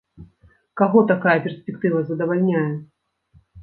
Каго такая перспектыва задавальняе?